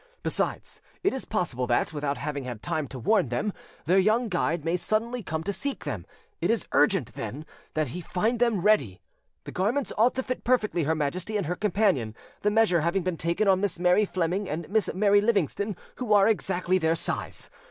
Besides, it is possible that, without having had time to warn them, their young guide may suddenly come to seek them: it is urgent, then, that he find them ready. "The garments ought to fit perfectly her Majesty and her companion, the measure having been taken on Miss Mary Fleming and Miss Mary Livingston, who are exactly their size.